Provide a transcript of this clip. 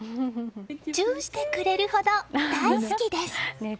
ちゅーしてくれるほど大好きです。